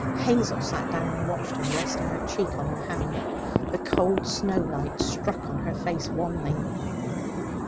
Hazel sat down and watched him, resting her cheek on her hand. The cold snowlight struck on her face wanly.